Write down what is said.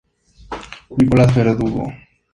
Nicolás Verdugo.